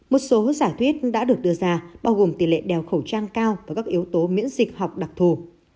một số giả thuyết đã được đưa ra bao gồm tỷ lệ đeo khẩu trang cao và các yếu tố miễn dịch học đặc thù